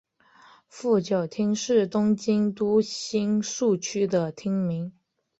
富久町是东京都新宿区的町名。